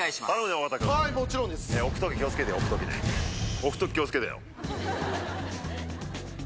置くとき気を付けてよ。